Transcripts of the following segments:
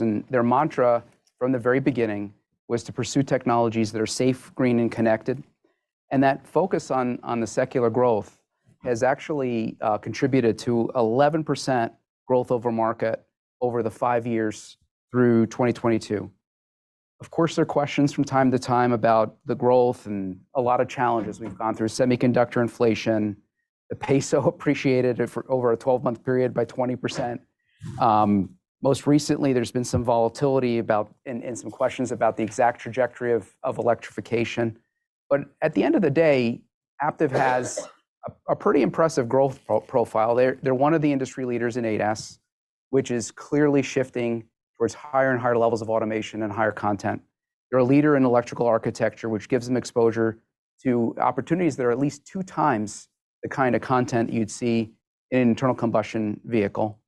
Their mantra from the very beginning was to pursue technologies that are safe, green, and connected. That focus on the secular growth has actually contributed to 11% growth over market over the five years through 2022. Of course, there are questions from time to time about the growth and a lot of challenges. We've gone through semiconductor inflation. The peso appreciated over a 12-month period by 20%. Most recently, there's been some volatility and some questions about the exact trajectory of electrification. At the end of the day, Aptiv has a pretty impressive growth profile. They're one of the industry leaders in 8S, which is clearly shifting towards higher and higher levels of automation and higher content. They're a leader in electrical architecture, which gives them exposure to opportunities that are at least two times the kind of content you'd see in an internal combustion vehicle.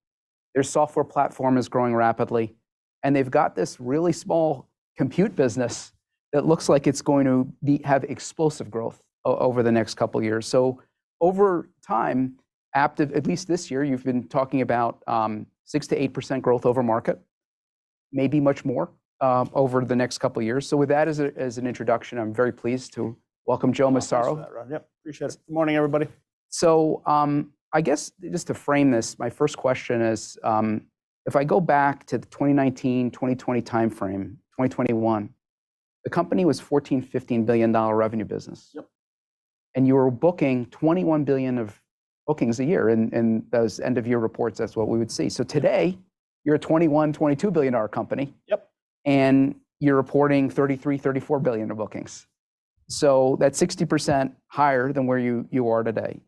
Their software platform is growing rapidly, and they've got this really small compute business that looks like it's going to have explosive growth over the next couple of years. So over time, Aptiv, at least this year, you've been talking about 6%-8% growth over market, maybe much more over the next couple of years. So with that as an introduction, I'm very pleased to welcome Joe Massaro. Thanks for that, Ron. Yep, appreciate it. Good morning, everybody. So I guess just to frame this, my first question is, if I go back to the 2019-2020 time frame, 2021, the company was a $14-$15 billion revenue business. And you were booking $21 billion of bookings a year. And those end-of-year reports, that's what we would see. So today, you're a $21 billion-$22 billion company. And you're reporting $33 billion-$34 billion of bookings. So that's 60% higher than where you are today.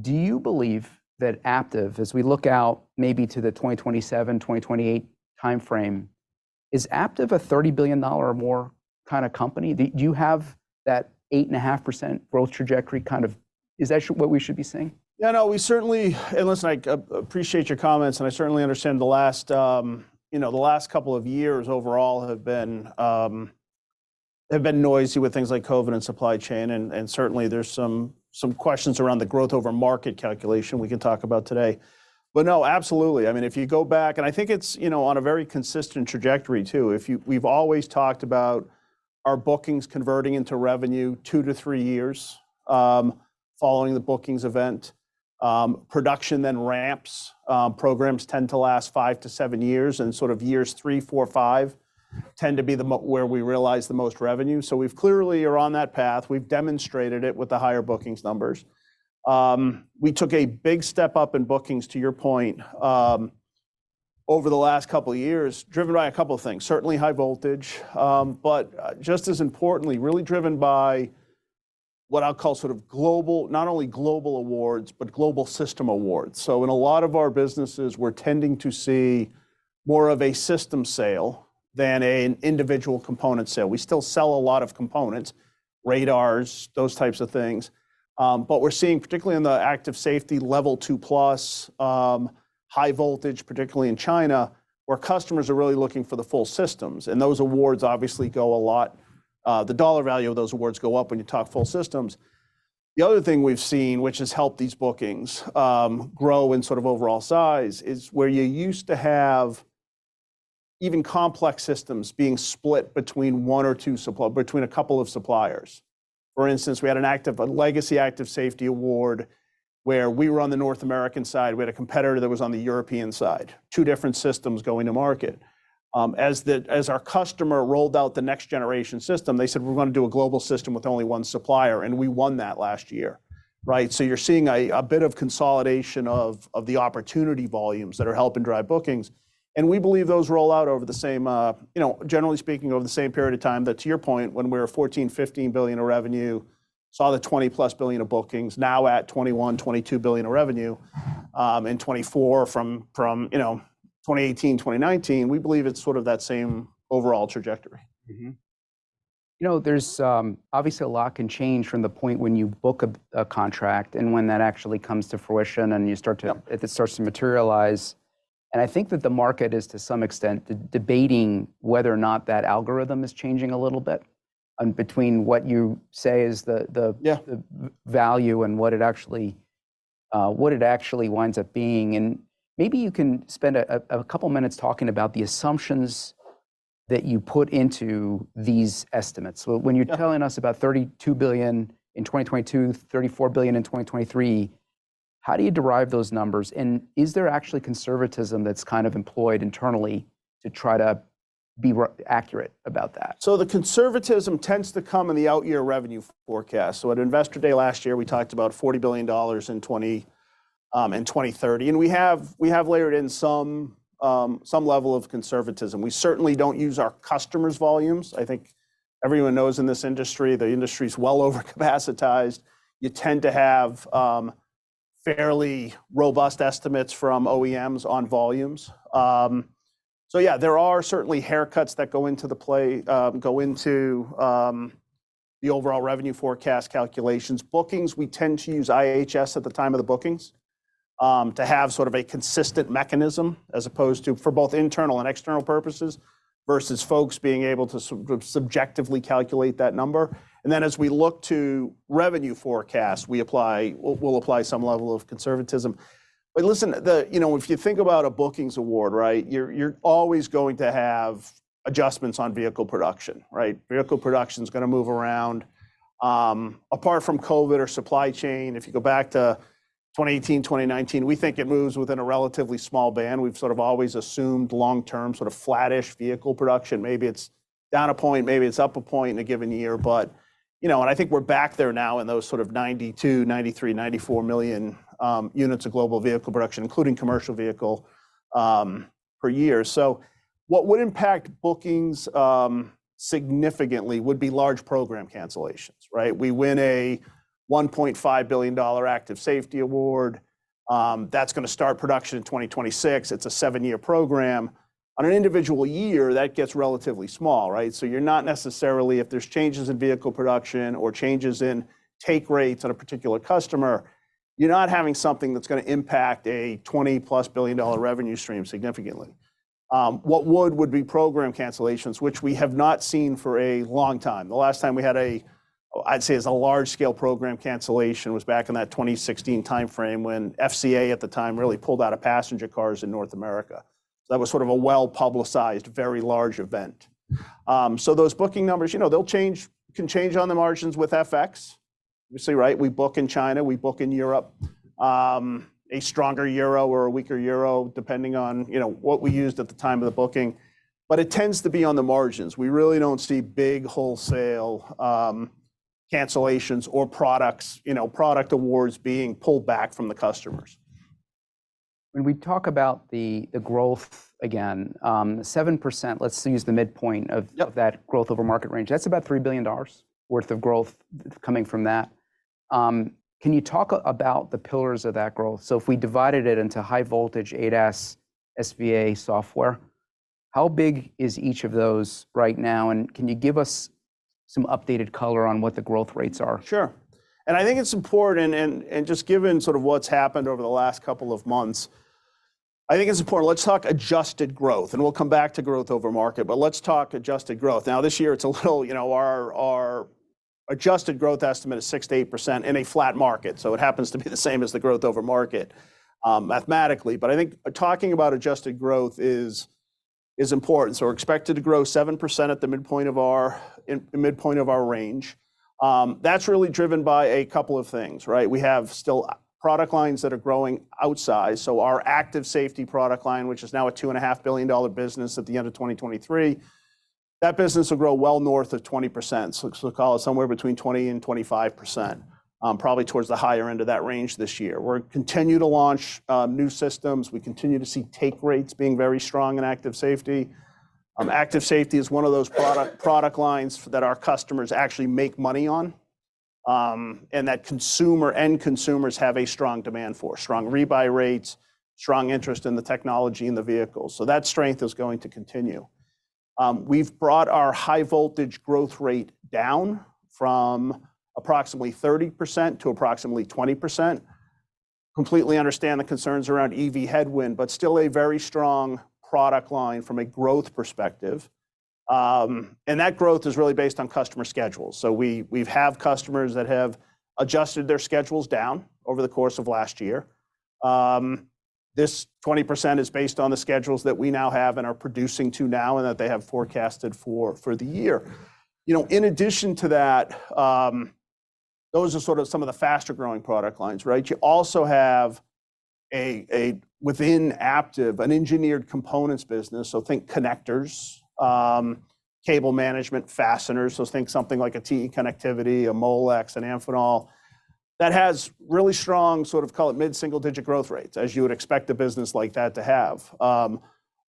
Do you believe that Aptiv, as we look out maybe to the 2027-2028 time frame, is Aptiv a $30 billion or more kind of company? Do you have that 8.5% growth trajectory kind of is that what we should be seeing? Yeah, no, we certainly, and listen, I appreciate your comments. I certainly understand the last couple of years overall have been noisy with things like COVID and supply chain. And certainly there's some questions around the Growth Over Market calculation we can talk about today. But no, absolutely. I mean, if you go back and I think it's on a very consistent trajectory, too. We've always talked about our bookings converting into revenue two-three years following the bookings event. Production then ramps. Programs tend to last five-seven years. And sort of years three, four, five tend to be where we realize the most revenue. So we clearly are on that path. We've demonstrated it with the higher bookings numbers. We took a big step up in bookings, to your point, over the last couple of years, driven by a couple of things, certainly High Voltage, but just as importantly, really driven by what I'll call sort of global, not only global awards, but global system awards. So in a lot of our businesses, we're tending to see more of a system sale than an individual component sale. We still sell a lot of components, radars, those types of things. But we're seeing, particularly in the Active Safety Level 2+, High Voltage, particularly in China, where customers are really looking for the full systems. And those awards obviously go a lot the dollar value of those awards go up when you talk full systems. The other thing we've seen, which has helped these bookings grow in sort of overall size, is where you used to have even complex systems being split between one or two suppliers, between a couple of suppliers. For instance, we had a legacy active safety award where we were on the North American side. We had a competitor that was on the European side, two different systems going to market. As our customer rolled out the next generation system, they said, we're going to do a global system with only one supplier. And we won that last year. Right? So you're seeing a bit of consolidation of the opportunity volumes that are helping drive bookings. We believe those roll out over the same, generally speaking, over the same period of time that, to your point, when we were $14-$15 billion of revenue, saw the $20+ billion of bookings, now at $21 billion-$22 billion of revenue in 2024 from 2018, 2019, we believe it's sort of that same overall trajectory. You know, there's obviously a lot can change from the point when you book a contract and when that actually comes to fruition and you start to if it starts to materialize. And I think that the market is, to some extent, debating whether or not that algorithm is changing a little bit between what you say is the value and what it actually winds up being. And maybe you can spend a couple of minutes talking about the assumptions that you put into these estimates. So when you're telling us about $32 billion in 2022, $34 billion in 2023, how do you derive those numbers? And is there actually conservatism that's kind of employed internally to try to be accurate about that? So the conservatism tends to come in the out-year revenue forecast. So at Investor Day last year, we talked about $40 billion in 2030. We have layered in some level of conservatism. We certainly don't use our customers' volumes. I think everyone knows in this industry, the industry is well over capacitated. You tend to have fairly robust estimates from OEMs on volumes. So yeah, there are certainly haircuts that go into the plan go into the overall revenue forecast calculations. Bookings, we tend to use IHS at the time of the bookings to have sort of a consistent mechanism as opposed to for both internal and external purposes versus folks being able to subjectively calculate that number. And then as we look to revenue forecasts, we apply we'll apply some level of conservatism. But listen, if you think about a bookings award, right, you're always going to have adjustments on vehicle production, right? Vehicle production is going to move around. Apart from COVID or supply chain, if you go back to 2018, 2019, we think it moves within a relatively small band. We've sort of always assumed long-term sort of flattish vehicle production. Maybe it's down a point, maybe it's up a point in a given year. But you know and I think we're back there now in those sort of 92, 93, 94 million units of global vehicle production, including commercial vehicle, per year. So what would impact bookings significantly would be large program cancellations, right? We win a $1.5 billion active safety award. That's going to start production in 2026. It's a seven-year program. On an individual year, that gets relatively small, right? So you're not necessarily if there's changes in vehicle production or changes in take rates on a particular customer, you're not having something that's going to impact a $20+ billion revenue stream significantly. What would be program cancellations, which we have not seen for a long time. The last time we had a, I'd say, as a large-scale program cancellation was back in that 2016 time frame when FCA at the time really pulled out of passenger cars in North America. So that was sort of a well-publicized, very large event. So those booking numbers, you know they'll change can change on the margins with FX, obviously, right? We book in China, we book in Europe, a stronger euro or a weaker euro, depending on what we used at the time of the booking. But it tends to be on the margins. We really don't see big wholesale cancellations or product awards being pulled back from the customers. When we talk about the growth again, 7%, let's use the midpoint of that growth over market range, that's about $3 billion worth of growth coming from that. Can you talk about the pillars of that growth? So if we divided it into High Voltage 8S SVA software, how big is each of those right now? And can you give us some updated color on what the growth rates are? Sure. And I think it's important. And just given sort of what's happened over the last couple of months, I think it's important. Let's talk adjusted growth. And we'll come back to growth over market, but let's talk adjusted growth. Now, this year, it's a little our adjusted growth estimate is 6%-8% in a flat market. So it happens to be the same as the growth over market mathematically. But I think talking about adjusted growth is important. So we're expected to grow 7% at the midpoint of our range. That's really driven by a couple of things, right? We have still product lines that are growing outsize. So our Active Safety product line, which is now a $2.5 billion business at the end of 2023, that business will grow well north of 20%. So call it somewhere between 20%-25%, probably towards the higher end of that range this year. We're continuing to launch new systems. We continue to see take rates being very strong in Active Safety. Active Safety is one of those product lines that our customers actually make money on and that end consumers have a strong demand for, strong rebuy rates, strong interest in the technology and the vehicles. So that strength is going to continue. We've brought our High Voltage growth rate down from approximately 30% to approximately 20%. Completely understand the concerns around EV headwind, but still a very strong product line from a growth perspective. And that growth is really based on customer schedules. So we have customers that have adjusted their schedules down over the course of last year. This 20% is based on the schedules that we now have and are producing to now and that they have forecasted for the year. In addition to that, those are sort of some of the faster growing product lines, right? You also have within Aptiv an engineered components business. So think connectors, cable management, fasteners. So think something like a TE Connectivity, a Molex, an Amphenol that has really strong sort of call it mid single digit growth rates, as you would expect a business like that to have.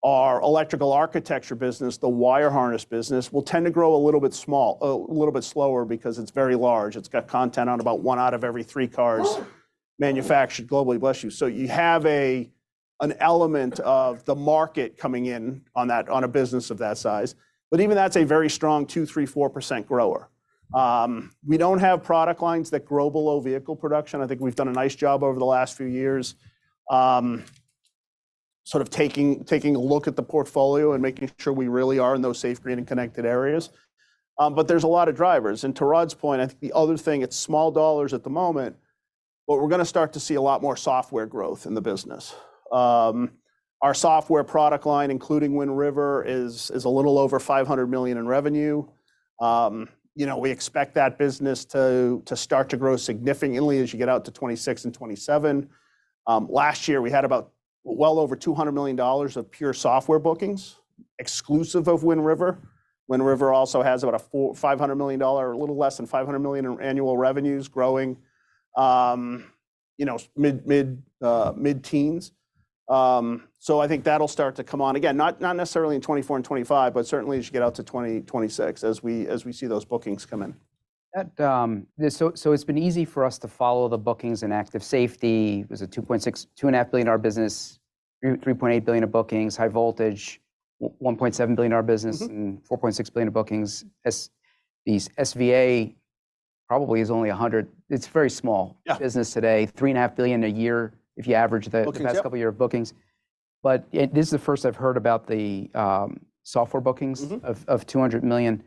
Our electrical architecture business, the wire harness business, will tend to grow a little bit small, a little bit slower because it's very large. It's got content on about one out of every three cars manufactured globally, bless you. So you have an element of the market coming in on a business of that size. But even that's a very strong 2%-4% grower. We don't have product lines that grow below vehicle production. I think we've done a nice job over the last few years sort of taking a look at the portfolio and making sure we really are in those safe, green, and connected areas. But there's a lot of drivers. And to Rod's point, I think the other thing, it's small dollars at the moment, but we're going to start to see a lot more software growth in the business. Our software product line, including Wind River, is a little over $500 million in revenue. We expect that business to start to grow significantly as you get out to 2026 and 2027. Last year, we had about well over $200 million of pure software bookings exclusive of Wind River. Wind River also has about a $500 million, a little less than $500 million in annual revenues growing mid-teens. So I think that'll start to come on again, not necessarily in 2024 and 2025, but certainly as you get out to 2026 as we see those bookings come in. So it's been easy for us to follow the bookings in Active Safety. It was a $2.6 billion-$2.5 billion business, $3.8 billion of bookings, high voltage, $1.7 billion business, and $4.6 billion of bookings. These SVA probably is only $100. It's a very small business today, $3.5 billion a year if you average the past couple of year bookings. But this is the first I've heard about the software bookings of $200 million.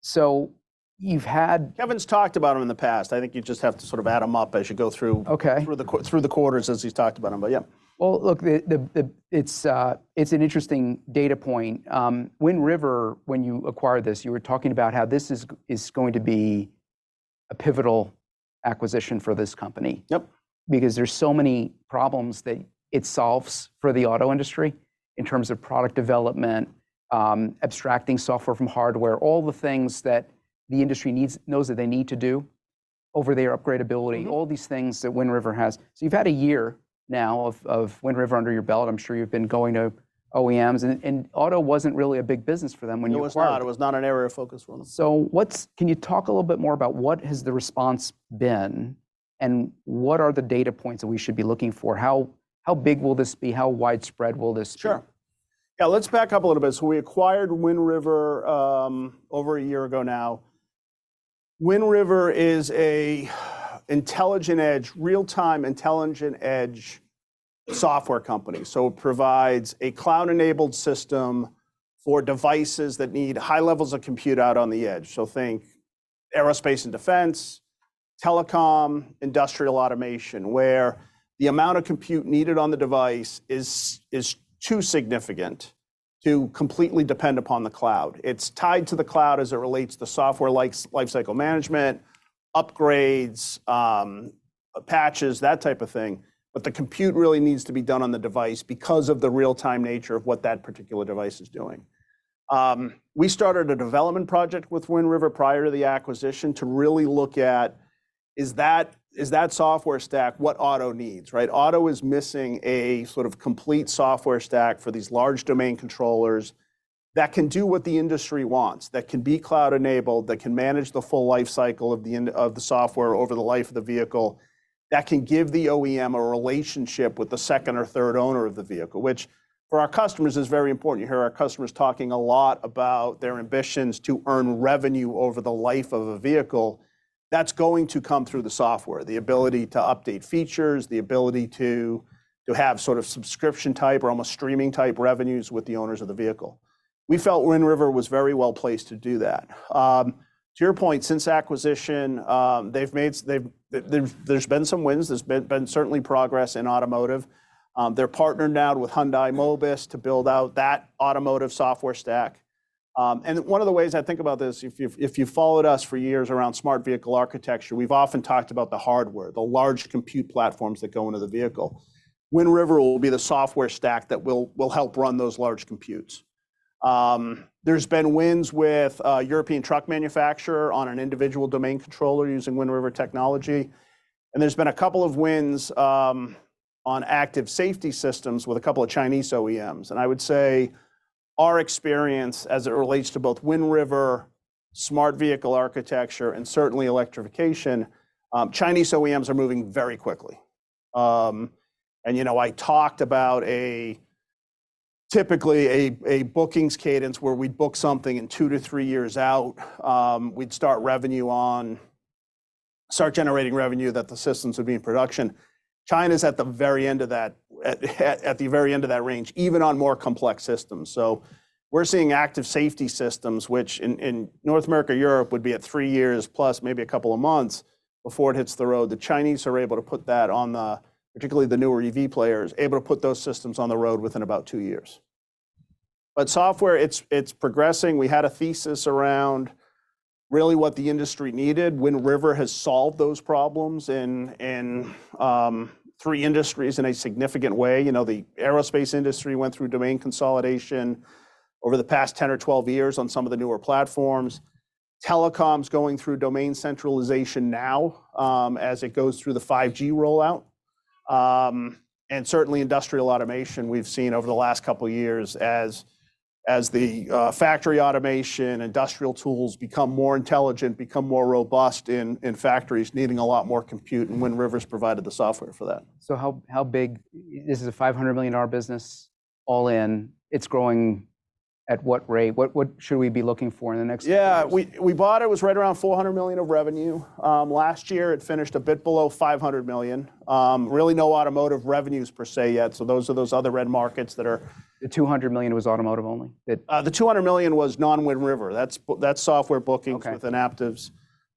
So you've had. Kevin's talked about them in the past. I think you just have to sort of add them up as you go through the quarters as he's talked about them. But yeah. Well, look, it's an interesting data point. Wind River, when you acquired this, you were talking about how this is going to be a pivotal acquisition for this company because there's so many problems that it solves for the auto industry in terms of product development, abstracting software from hardware, all the things that the industry knows that they need to do over their upgradability, all these things that Wind River has. So you've had a year now of Wind River under your belt. I'm sure you've been going to OEMs. And auto wasn't really a big business for them when you acquired. It was not. It was not an area of focus for them. So can you talk a little bit more about what has the response been and what are the data points that we should be looking for? How big will this be? How widespread will this be? Sure. Yeah. Let's back up a little bit. So we acquired Wind River over a year ago now. Wind River is an intelligent edge, real-time intelligent edge software company. So it provides a cloud-enabled system for devices that need high levels of compute out on the edge. So think aerospace and defense, telecom, industrial automation, where the amount of compute needed on the device is too significant to completely depend upon the cloud. It's tied to the cloud as it relates to software like lifecycle management, upgrades, patches, that type of thing. But the compute really needs to be done on the device because of the real-time nature of what that particular device is doing. We started a development project with Wind River prior to the acquisition to really look at is that software stack what auto needs, right? Auto is missing a sort of complete software stack for these large domain controllers that can do what the industry wants, that can be cloud-enabled, that can manage the full lifecycle of the software over the life of the vehicle, that can give the OEM a relationship with the second or third owner of the vehicle, which for our customers is very important. You hear our customers talking a lot about their ambitions to earn revenue over the life of a vehicle that's going to come through the software, the ability to update features, the ability to have sort of subscription type or almost streaming type revenues with the owners of the vehicle. We felt Wind River was very well placed to do that. To your point, since acquisition, there's been some wins. There's been certainly progress in automotive. They're partnered now with Hyundai Mobis to build out that automotive software stack. One of the ways I think about this, if you've followed us for years around Smart Vehicle Architecture, we've often talked about the hardware, the large compute platforms that go into the vehicle. Wind River will be the software stack that will help run those large computes. There's been wins with a European truck manufacturer on an individual Domain Controller using Wind River technology. And there's been a couple of wins on Active Safety systems with a couple of Chinese OEMs. And I would say our experience as it relates to both Wind River, Smart Vehicle Architecture, and certainly electrification, Chinese OEMs are moving very quickly. And you know I talked about typically a bookings cadence where we'd book something in two-three years out, we'd start revenue on, start generating revenue that the systems would be in production. China's at the very end of that, at the very end of that range, even on more complex systems. So we're seeing active safety systems, which in North America, Europe would be at three years plus maybe a couple of months before it hits the road. The Chinese are able to put that on the, particularly the newer EV players, able to put those systems on the road within about two years. But software, it's progressing. We had a thesis around really what the industry needed. Wind River has solved those problems in 3 industries in a significant way. You know the aerospace industry went through domain consolidation over the past 10 or 12 years on some of the newer platforms. Telecom's going through domain centralization now as it goes through the 5G rollout. And certainly industrial automation we've seen over the last couple of years as the factory automation, industrial tools become more intelligent, become more robust in factories needing a lot more compute. And Wind River's provided the software for that. How big is this a $500 million business all in? It's growing at what rate? What should we be looking for in the next couple of years? Yeah. We bought it, it was right around $400 million of revenue. Last year, it finished a bit below $500 million. Really no automotive revenues per se yet. So those are those other red markets that are. The $200 million was automotive only? The $200 million was non-Wind River. That's software bookings with Aptiv's.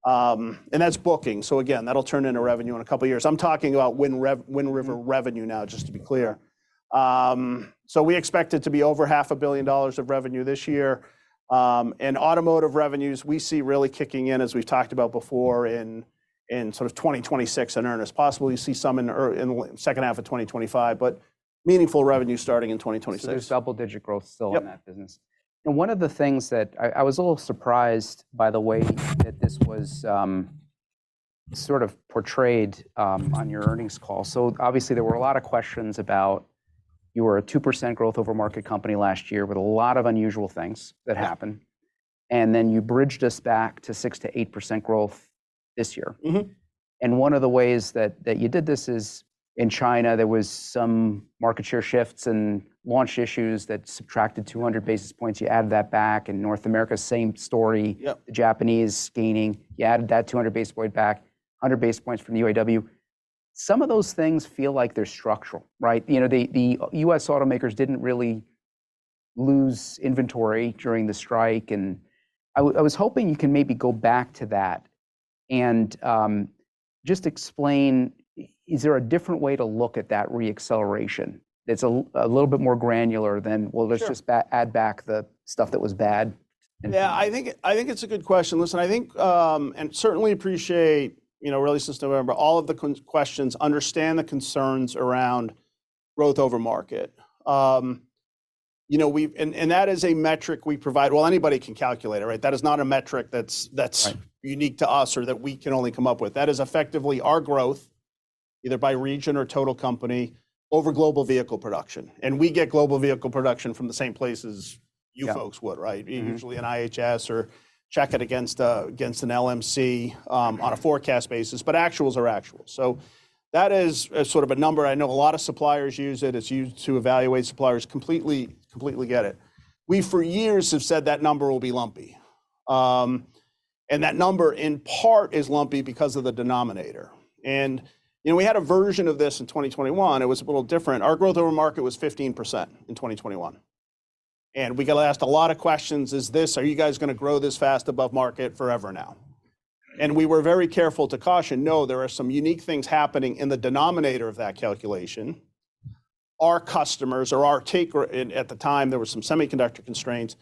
And that's bookings. So again, that'll turn into revenue in a couple of years. I'm talking about Wind River revenue now, just to be clear. So we expect it to be over $500 million of revenue this year. And automotive revenues we see really kicking in, as we've talked about before, in sort of 2026 in earnest. Possibly you see some in the second half of 2025, but meaningful revenue starting in 2026. So there's double-digit growth still in that business. And one of the things that I was a little surprised by the way that this was sort of portrayed on your earnings call. So obviously there were a lot of questions about you were a 2% growth over market company last year with a lot of unusual things that happened. And then you bridged us back to 6%-8% growth this year. And one of the ways that you did this is in China, there was some market share shifts and launch issues that subtracted 200 basis points. You added that back. In North America, same story, the Japanese gaining. You added that 200 basis point back, 100 basis points from the UAW. Some of those things feel like they're structural, right? You know the US automakers didn't really lose inventory during the strike. I was hoping you can maybe go back to that and just explain, is there a different way to look at that reacceleration that's a little bit more granular than, well, let's just add back the stuff that was bad? Yeah. I think it's a good question. Listen, I think, and certainly appreciate really since November, all of the questions. Understand the concerns around Growth Over Market. You know, and that is a metric we provide. Well, anybody can calculate it, right? That is not a metric that's unique to us or that we can only come up with. That is effectively our growth, either by region or total company, over global vehicle production. And we get global vehicle production from the same places you folks would, right? Usually an IHS or check it against an LMC on a forecast basis, but actuals are actuals. So that is sort of a number. I know a lot of suppliers use it. It's used to evaluate suppliers. Completely get it. We for years have said that number will be lumpy. And that number in part is lumpy because of the denominator. You know we had a version of this in 2021. It was a little different. Our growth over market was 15% in 2021. We got asked a lot of questions. Is this, are you guys going to grow this fast above market forever now? We were very careful to caution, no, there are some unique things happening in the denominator of that calculation. Our customers or our take, at the time there were some semiconductor constraints,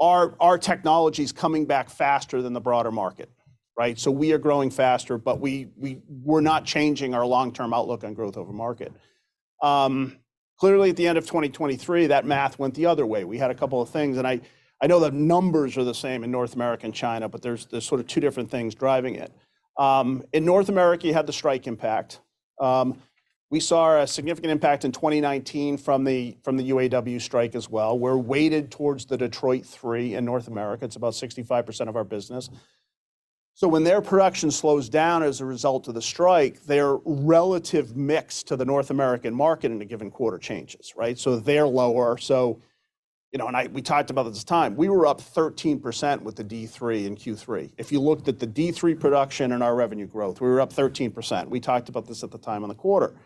our technology's coming back faster than the broader market, right? So we are growing faster, but we're not changing our long-term outlook on growth over market. Clearly, at the end of 2023, that math went the other way. We had a couple of things. I know the numbers are the same in North America and China, but there's sort of two different things driving it. In North America, you had the strike impact. We saw a significant impact in 2019 from the UAW strike as well. We're weighted towards the Detroit 3 in North America. It's about 65% of our business. So when their production slows down as a result of the strike, their relative mix to the North American market in a given quarter changes, right? So they're lower. So you know and we talked about this time, we were up 13% with the D3 and Q3. If you looked at the D3 production and our revenue growth, we were up 13%. We talked about this at the time on the quarter.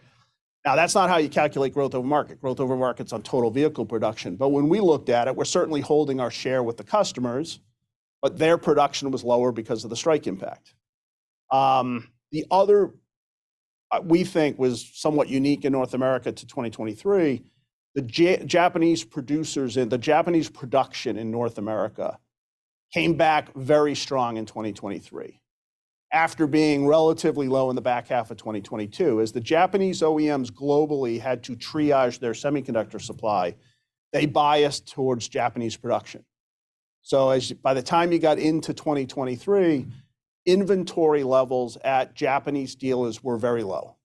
Now, that's not how you calculate growth over market. Growth over market's on total vehicle production. But when we looked at it, we're certainly holding our share with the customers, but their production was lower because of the strike impact. The other we think was somewhat unique in North America to 2023, the Japanese producers in, the Japanese production in North America came back very strong in 2023 after being relatively low in the back half of 2022. As the Japanese OEMs globally had to triage their semiconductor supply, they biased towards Japanese production. So by the time you got into 2023, inventory levels at Japanese dealers were very low.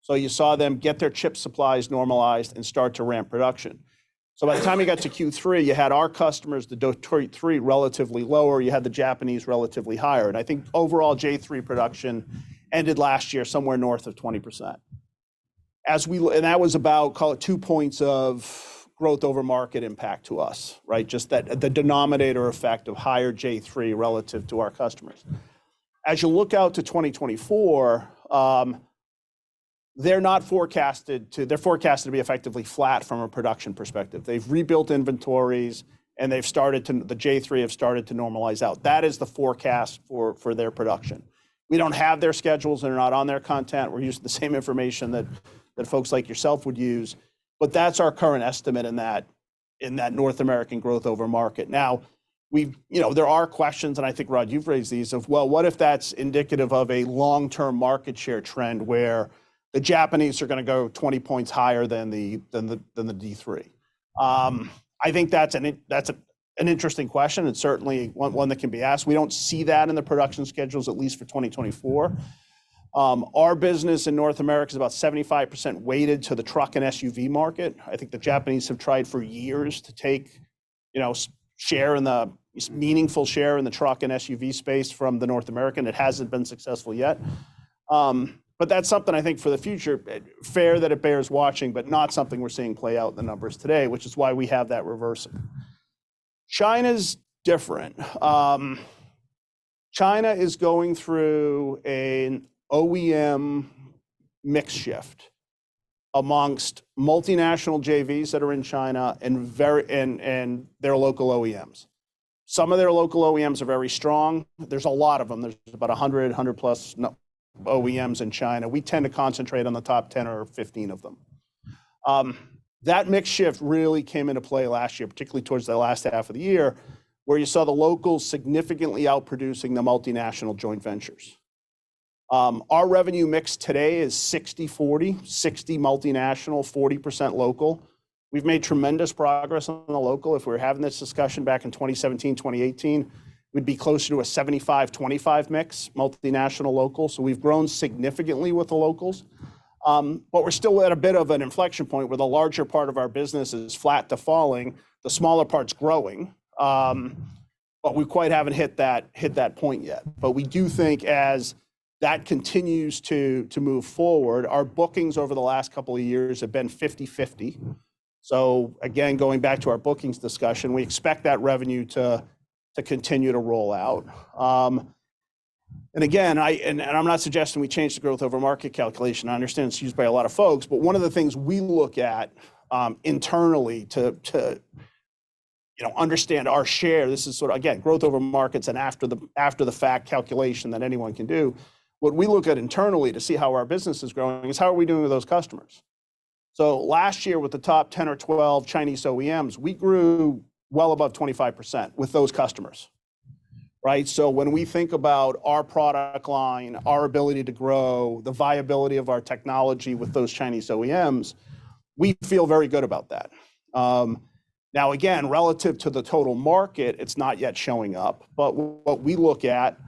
So you saw them get their chip supplies normalized and start to ramp production. So by the time you got to Q3, you had our customers, the Detroit 3, relatively lower. You had the Japanese relatively higher. And I think overall J3 production ended last year somewhere north of 20%. And that was about, call it two points of growth over market impact to us, right? Just the denominator effect of higher J3 relative to our customers. As you look out to 2024, they're forecasted to be effectively flat from a production perspective. They've rebuilt inventories, and the J3 have started to normalize out. That is the forecast for their production. We don't have their schedules, and they're not on their content. We're using the same information that folks like yourself would use. But that's our current estimate in that North American growth over market. Now, you know, there are questions, and I think Rod, you've raised these of, well, what if that's indicative of a long-term market share trend where the Japanese are going to go 20 points higher than the D3? I think that's an interesting question. It's certainly one that can be asked. We don't see that in the production schedules, at least for 2024. Our business in North America is about 75% weighted to the truck and SUV market. I think the Japanese have tried for years to take share in the meaningful share in the truck and SUV space from the North American. It hasn't been successful yet. But that's something I think for the future, fair that it bears watching, but not something we're seeing play out in the numbers today, which is why we have that reversal. China's different. China is going through an OEM mix shift amongst multinational JVs that are in China and their local OEMs. Some of their local OEMs are very strong. There's a lot of them. There's about 100, 100+ OEMs in China. We tend to concentrate on the top 10 or 15 of them. That mix shift really came into play last year, particularly towards the last half of the year where you saw the locals significantly outproducing the multinational joint ventures. Our revenue mix today is 60/40, 60 multinational, 40% local. We've made tremendous progress on the local. If we were having this discussion back in 2017, 2018, we'd be closer to a 75/25 mix, multinational, local. So we've grown significantly with the locals. But we're still at a bit of an inflection point where the larger part of our business is flat to falling, the smaller part's growing. But we quite haven't hit that point yet. But we do think as that continues to move forward, our bookings over the last couple of years have been 50/50. So again, going back to our bookings discussion, we expect that revenue to continue to roll out. And again, I'm not suggesting we change the Growth Over Market calculation. I understand it's used by a lot of folks, but one of the things we look at internally to understand our share, this is sort of again, Growth Over Market and after the fact calculation that anyone can do. What we look at internally to see how our business is growing is how are we doing with those customers? So last year with the top 10 or 12 Chinese OEMs, we grew well above 25% with those customers, right? So when we think about our product line, our ability to grow, the viability of our technology with those Chinese OEMs, we feel very good about that. Now, again, relative to the total market, it's not yet showing up, but what we look at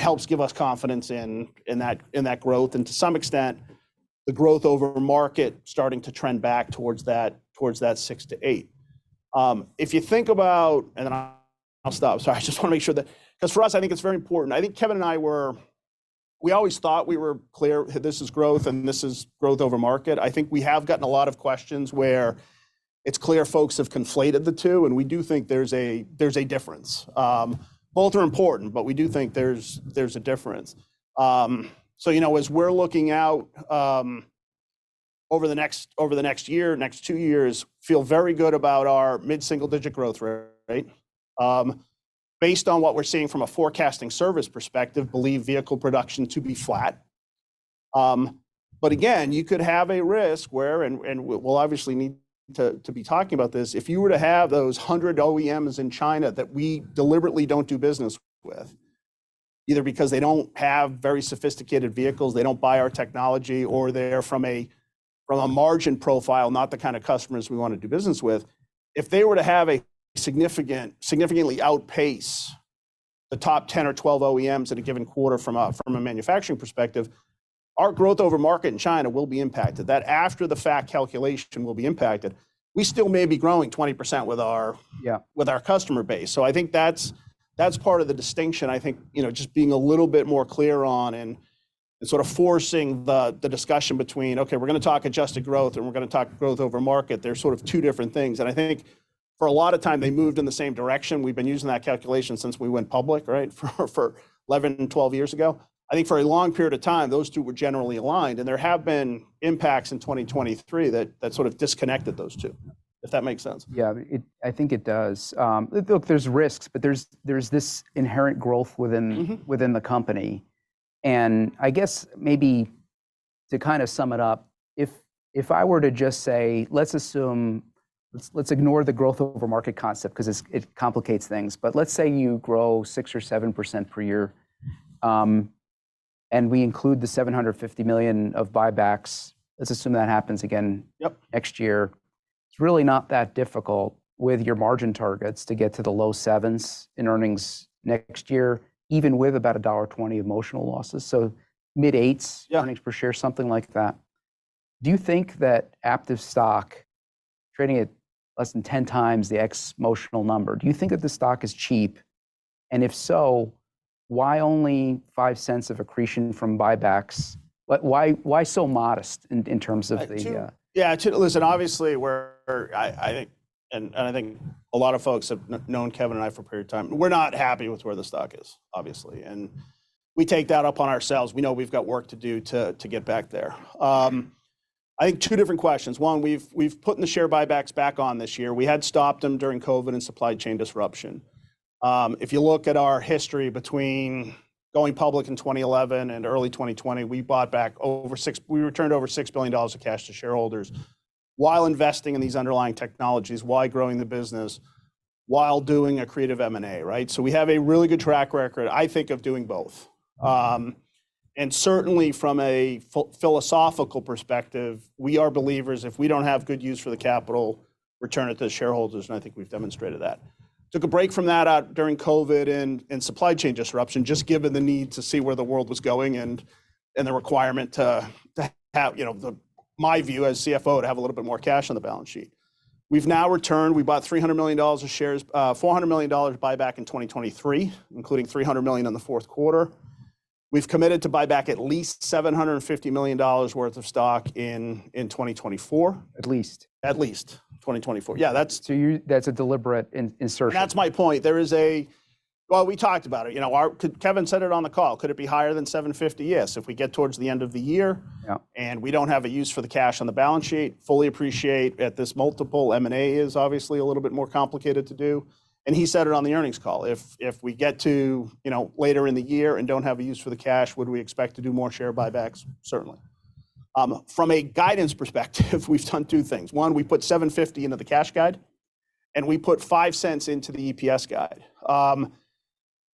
helps give us confidence in that growth and to some extent the growth over market starting to trend back towards that 6-8. If you think about, and then I'll stop. Sorry, I just want to make sure that, because for us, I think it's very important. I think Kevin and I were, we always thought we were clear, this is growth and this is growth over market. I think we have gotten a lot of questions where it's clear folks have conflated the two and we do think there's a difference. Both are important, but we do think there's a difference. So you know as we're looking out over the next year, next two years, feel very good about our mid-single-digit growth rate. Based on what we're seeing from a forecasting service perspective, believe vehicle production to be flat. But again, you could have a risk where, and we'll obviously need to be talking about this, if you were to have those 100 OEMs in China that we deliberately don't do business with, either because they don't have very sophisticated vehicles, they don't buy our technology, or they're from a margin profile, not the kind of customers we want to do business with, if they were to have a significantly outpace the top 10 or 12 OEMs in a given quarter from a manufacturing perspective, our Growth Over Market in China will be impacted. That after the fact calculation will be impacted. We still may be growing 20% with our customer base. So I think that's part of the distinction. I think just being a little bit more clear on and sort of forcing the discussion between, okay, we're going to talk adjusted growth and we're going to talk growth over market. They're sort of two different things. And I think for a lot of time they moved in the same direction. We've been using that calculation since we went public, right? For 11, 12 years ago. I think for a long period of time, those two were generally aligned and there have been impacts in 2023 that sort of disconnected those two, if that makes sense. Yeah. I think it does. Look, there's risks, but there's this inherent growth within the company. I guess maybe to kind of sum it up, if I were to just say, let's assume, let's ignore the Growth Over Market concept because it complicates things, but let's say you grow 6%-7% per year and we include the $750 million of buybacks. Let's assume that happens again next year. It's really not that difficult with your margin targets to get to the low 7s in earnings next year, even with about $1.20 Motional losses. So mid 8s, earnings per share, something like that. Do you think that Aptiv stock trading at less than 10 times the ex-Motional number, do you think that the stock is cheap? And if so, why only 5 cents of accretion from buybacks? Why so modest in terms of the? Yeah. Listen, obviously where I think, and I think a lot of folks have known Kevin and I for a period of time, we're not happy with where the stock is, obviously. We take that upon ourselves. We know we've got work to do to get back there. I think two different questions. One, we've put in the share buybacks back on this year. We had stopped them during COVID and supply chain disruption. If you look at our history between going public in 2011 and early 2020, we bought back over six, we returned over $6 billion of cash to shareholders while investing in these underlying technologies, while growing the business, while doing a creative M&A, right? We have a really good track record, I think, of doing both. Certainly from a philosophical perspective, we are believers if we don't have good use for the capital, return it to the shareholders. I think we've demonstrated that. Took a break from that out during COVID and supply chain disruption, just given the need to see where the world was going and the requirement to have, you know, my view as CFO to have a little bit more cash on the balance sheet. We've now returned, we bought $300 million of shares, $400 million buyback in 2023, including $300 million in the fourth quarter. We've committed to buyback at least $750 million worth of stock in 2024. At least. At least 2024. Yeah. That's a deliberate insertion. That's my point. There is a, well, we talked about it. You know Kevin said it on the call. Could it be higher than $750? Yes. If we get towards the end of the year and we don't have a use for the cash on the balance sheet, fully appreciate at this multiple, M&A is obviously a little bit more complicated to do. And he said it on the earnings call. If we get to later in the year and don't have a use for the cash, would we expect to do more share buybacks? Certainly. From a guidance perspective, we've done 2 things. 1, we put $750 into the cash guide and we put $0.05 into the EPS guide.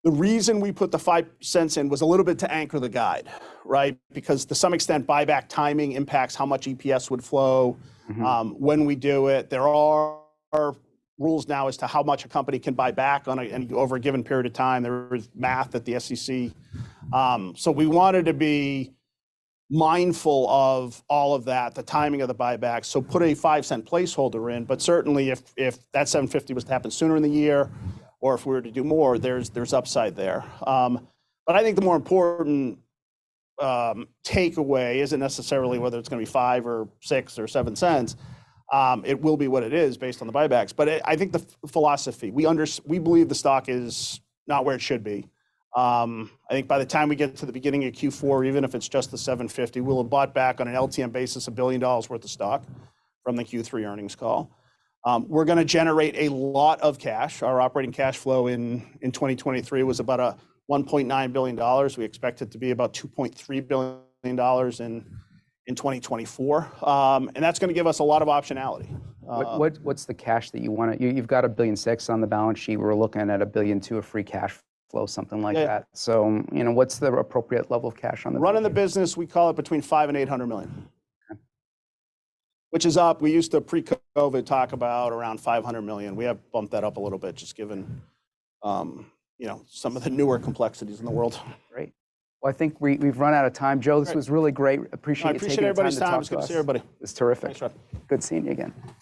The reason we put the $0.05 in was a little bit to anchor the guide, right? Because to some extent, buyback timing impacts how much EPS would flow when we do it. There are rules now as to how much a company can buy back on over a given period of time. There is math at the SEC. So we wanted to be mindful of all of that, the timing of the buybacks. So put a $0.05 placeholder in. But certainly if that $750 was to happen sooner in the year or if we were to do more, there's upside there. But I think the more important takeaway isn't necessarily whether it's going to be $0.05 or $0.06 or $0.07. It will be what it is based on the buybacks. But I think the philosophy, we believe the stock is not where it should be. I think by the time we get to the beginning of Q4, even if it's just the 750, we'll have bought back on an LTM basis $1 billion worth of stock from the Q3 earnings call. We're going to generate a lot of cash. Our operating cash flow in 2023 was about $1.9 billion. We expect it to be about $2.3 billion in 2024. That's going to give us a lot of optionality. What's the cash that you want to, you've got $1.6 billion on the balance sheet. We were looking at $1.2 billion of free cash flow, something like that. So you know what's the appropriate level of cash on the? Running the business, we call it between $5 million and $800 million, which is up. We used to pre-COVID talk about around $500 million. We have bumped that up a little bit just given some of the newer complexities in the world. Great. Well, I think we've run out of time. Joe, this was really great. Appreciate you taking the time. I appreciate everybody's time. Thanks everybody. It's terrific. Good seeing you again.